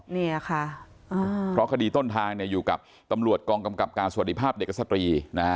เพราะคดีต้นทางอยู่กับตำรวจกองกำกับการสวัสดิภาพเด็กสตรี